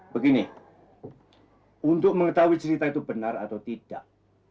begini untuk mengetahui cerita itu benar atau tidak